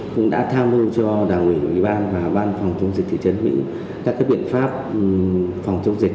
cũng đã tham mưu cho đảng ủy ban và ban phòng chống dịch thị trấn mỹ các biện pháp phòng chống dịch